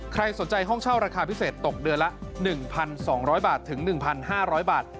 ใครสนใจห้องเช่าราคาพิเศษตกเดือนละ๑๒๐๐บาทถึง๑๕๐๐บาท